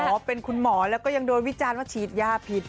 เป็นคุณหมอแล้วก็ยังโดนวิจารณ์ว่าฉีดยาผิด